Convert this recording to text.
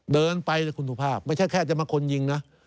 เดินไปนะคุณสุภาพไม่ใช่แค่จะมาคนยิงนะ